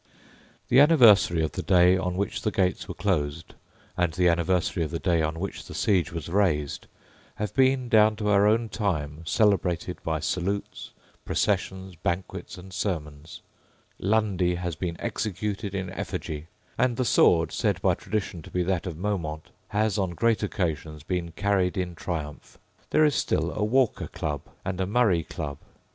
The anniversary of the day on which the gates were closed, and the anniversary of the day on which the siege was raised, have been down to our own time celebrated by salutes, processions, banquets, and sermons: Lundy has been executed in effigy; and the sword, said by tradition to be that of Maumont, has, on great occasions, been carried in triumph. There is still a Walker Club and a Murray Club.